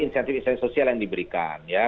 insentif insentif sosial yang diberikan ya